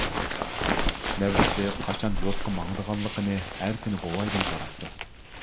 نەۋرىسى قاچان يۇرتقا ماڭىدىغانلىقىنى ھەر كۈنى بوۋايدىن سوراپتۇ.